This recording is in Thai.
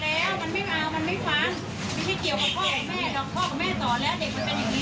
แล้วมันก็ไม่รู้ว่าที่ใส่ลุงเป็นยังไงหนูก็ไม่รู้หรอกที่ใส่ลุงเป็นยังไง